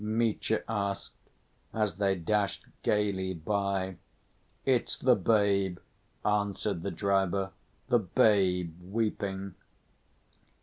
Mitya asked, as they dashed gayly by. "It's the babe," answered the driver, "the babe weeping."